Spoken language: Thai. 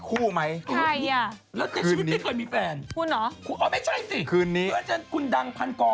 คืนนี้คือนั้นคุณดังพันกร